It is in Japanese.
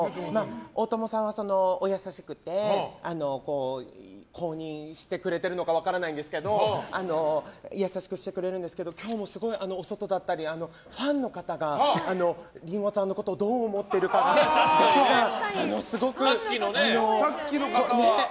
大友さんは、お優しくて公認してくれてるのか分からないんですけど優しくしてくれるんですけど今日もすごい、お外だったりファンの方がりんごちゃんのことをどう思ってるかすごく。